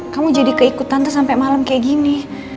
kamu jadi keikut tante sampe malam kayak gini